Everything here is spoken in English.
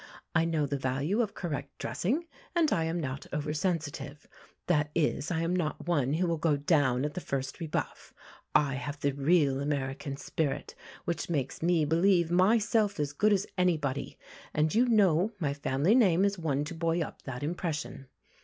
I know the value of correct dressing, and I am not oversensitive. That is, I am not one who will go down at the first rebuff. I have the real American spirit, which makes me believe myself as good as anybody, and you know my family name is one to buoy up that impression.